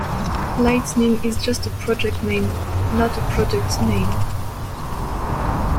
Lightning is just a project name, not a product name.